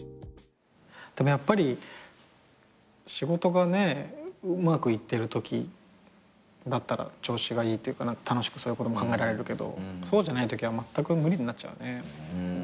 でもやっぱり仕事がねうまくいってるときだったら調子がいいというか楽しくそういうことも考えられるけどそうじゃないときはまったく無理になっちゃうね。